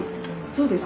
そうです。